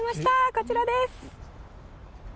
こちらです。